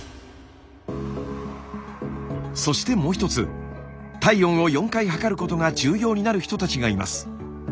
そしてもう一つ体温を４回測ることが重要になる人たちがいます。